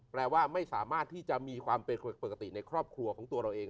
แปลว่าไม่สามารถที่จะมีความเป็นปกติในครอบครัวของตัวเราเอง